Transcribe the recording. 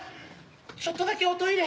ちょっとだけおトイレ。